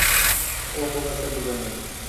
ও খুব একটা দূরে নেই।